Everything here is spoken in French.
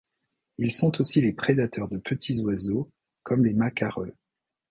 Ils sont aussi les prédateurs de petits oiseaux, comme les macareux.